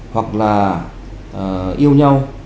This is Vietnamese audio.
hoặc là yêu nhau